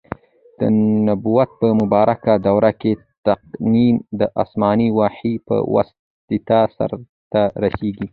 د نبوت په مبارکه دور کي تقنین د اسماني وحي په واسطه سرته رسیږي.